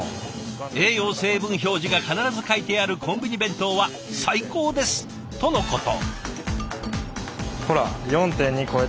「栄養成分表示が必ず書いてあるコンビニ弁当は最高です！」とのこと。